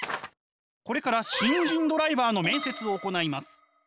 これから新人ドライバーの面接を行います。